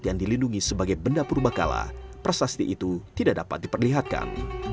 yang dilindungi sebagai benda purba kala prasasti itu tidak dapat diperlihatkan